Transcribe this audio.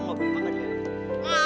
mau langsung semuanya